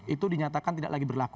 itu dinyatakan tidak lagi berlaku